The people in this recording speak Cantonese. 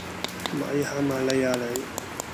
咪行埋嚟呀你